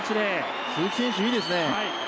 鈴木選手、いいですね。